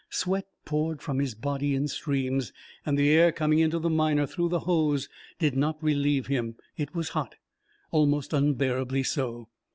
Sweat poured from his body in streams, and the air coming into the Miner through the hose did not relieve him. It was hot almost unbearably so.